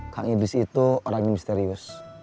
kang idris itu orangnya misterius